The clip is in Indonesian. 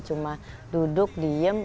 cuma duduk diem